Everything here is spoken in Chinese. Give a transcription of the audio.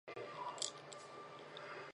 义县是辽宁省锦州市下辖的一个县。